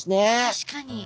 確かに。